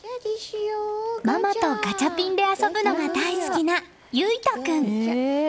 ママとガチャピンで遊ぶのが大好きな結叶君。